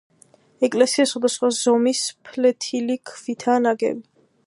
ეკლესია სხვადასხვა ზომის ფლეთილი ქვითაა ნაგები.